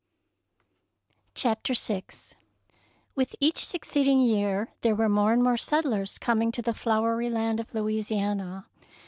VI With each succeeding year there were more and more settlers coming to the fiowery land of Louisiana.